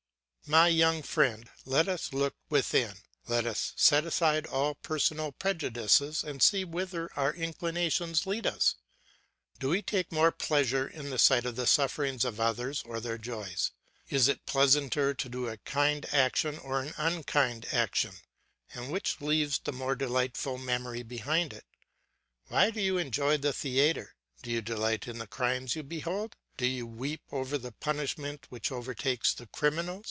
My young friend, let us look within, let us set aside all personal prejudices and see whither our inclinations lead us. Do we take more pleasure in the sight of the sufferings of others or their joys? Is it pleasanter to do a kind action or an unkind action, and which leaves the more delightful memory behind it? Why do you enjoy the theatre? Do you delight in the crimes you behold? Do you weep over the punishment which overtakes the criminal?